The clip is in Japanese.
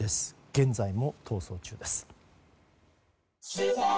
現在も逃走中です。